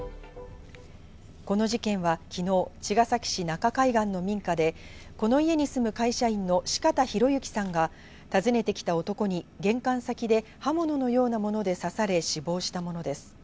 この事件は昨日、茅ヶ崎市中海岸の民家で、この家に住む会社員の四方洋行さんが訪ねてきた男に玄関先で刃物のようなもので刺され死亡したものです。